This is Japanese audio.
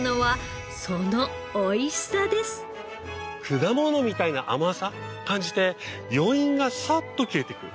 果物みたいな甘さ感じて余韻がさっと消えていく。